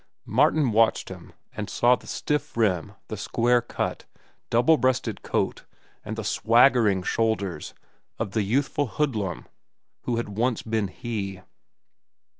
Martin watched him and saw the stiff rim, the square cut, double breasted coat and the swaggering shoulders, of the youthful hoodlum who had once been he.